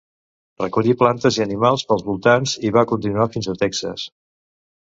Recollí plantes i animals pels voltants i va continuar fins a Texas.